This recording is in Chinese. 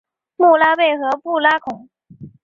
米拉贝和布拉孔。